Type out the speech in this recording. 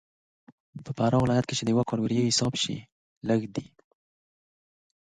په فراه ولایت کښې کلنی اورښت لږ دی.